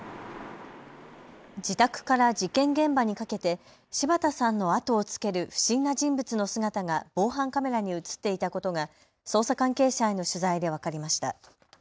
自宅から事件現場にかけて柴田さんの後をつける不審な人物の姿が防犯カメラに写っていたことが捜査関係者への取材で分かりました。